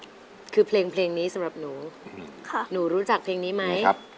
เอาล่ะกาฟิวค่ะ๒๐๐๐๐บาทคือเพลงนี้สำหรับหนูค่ะหนูรู้จักเพลงนี้ไหมครับ